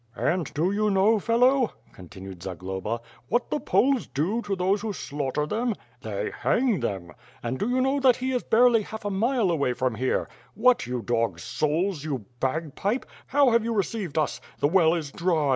"And do you know, fellow," continued Zagloba, "what the Poles do to those who slaughter them? They hang them. And do you know that he is barely a half a mile away from here? What, you dogs' souls! You bag pipe. How have you received us? The well is dry!